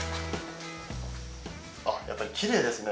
あっやっぱりきれいですね